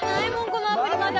このアプリまだ。